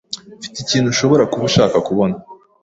Mfite ikintu ushobora kuba ushaka kubona.